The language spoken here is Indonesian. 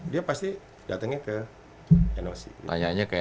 dia pasti datangnya ke